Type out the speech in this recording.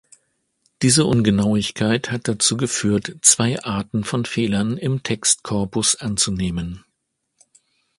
Diese Ungenauigkeit hat dazu geführt, zwei Arten von Fehlern im Textkorpus anzunehmen.